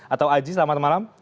atau aji selamat malam